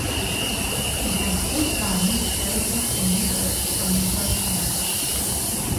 He had two sons, Joseph and Nicholas, from his first marriage.